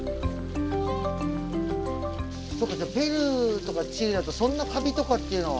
そうかペルーとかチリだとそんなカビとかっていうのは。